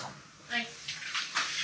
はい！